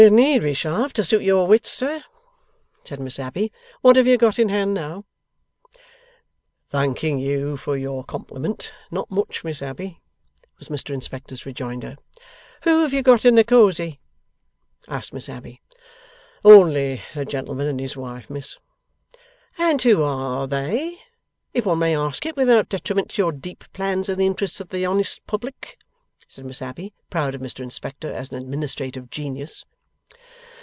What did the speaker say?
'It need be sharp to suit your wits, sir,' said Miss Abbey. 'What have you got in hand now?' 'Thanking you for your compliment: not much, Miss Abbey,' was Mr Inspector's rejoinder. 'Who have you got in Cosy?' asked Miss Abbey. 'Only a gentleman and his wife, Miss.' 'And who are they? If one may ask it without detriment to your deep plans in the interests of the honest public?' said Miss Abbey, proud of Mr Inspector as an administrative genius.